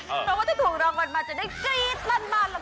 เพราะว่าถ้าถูกรางวัลมาจะได้กรี๊ดลั่นล่ะ